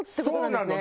そうなの！